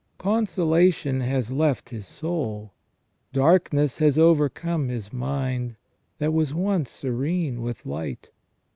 Consolation has left his soul ; darkness has overcome his mind, that was once serene with light.